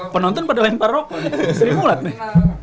penonton pada lain parokan seri mulat nih